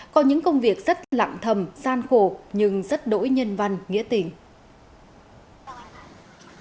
có những công việc rất lặng thầm gian khổ nhưng rất đỗi nhân văn nghĩa tình